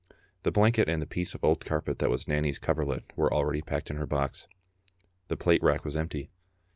The blanket and the piece . of old carpet that was Nanny's coverlet were already packed in her box. The plate rack was empty.